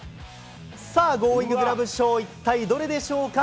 さあ、ゴーインググラブ賞、一体、どれでしょうか。